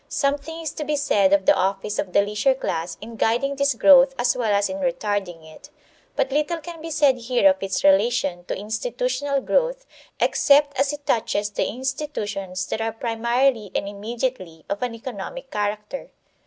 Something is to be said of the office of the leisure class in guiding this growth as well as in retarding it; but little can be said here of its relation to institutional growth except as it touches the institutions that are primarily and immediately of an economic character.